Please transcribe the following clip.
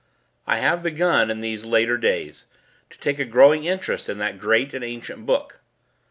I have begun, in these later days, to take a growing interest in that great and ancient book.